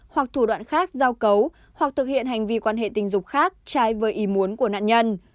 hoặc thủ đoạn khác giao cấu hoặc thực hiện hành vi quan hệ tình dục khác trai với ý muốn của nạn nhân